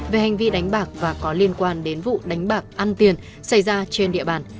về hành vi đánh bạc và có liên quan đến vụ đánh bạc ăn tiền xảy ra trên địa bàn